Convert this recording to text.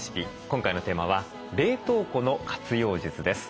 今回のテーマは冷凍庫の活用術です。